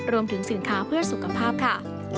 รวมถึงสินค้าเพื่อสุขภาพค่ะ